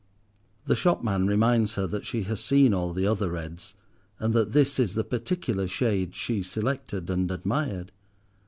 The shopman reminds her that she has seen all the other reds, and that this is the particular shade she selected and admired.